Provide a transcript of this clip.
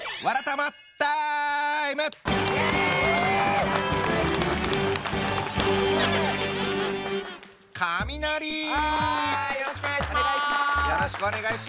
はい！